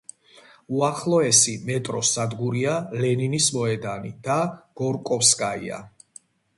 უახლოესი მეტროს სადგურია „ლენინის მოედანი“ და „გორკოვსკაია“.